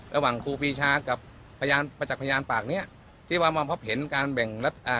ระหว่างครูปีชากับพยานประจักษ์พยานปากเนี้ยที่ว่ามาพบเห็นการแบ่งรัฐอ่า